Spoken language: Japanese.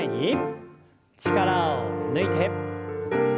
力を抜いて。